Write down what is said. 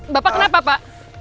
bapak kenapa pak